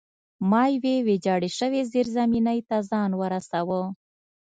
ما یوې ویجاړې شوې زیرزمینۍ ته ځان ورساوه